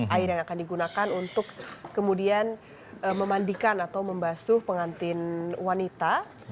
air yang akan digunakan untuk kemudian memandikan atau membasuh pengantin wanita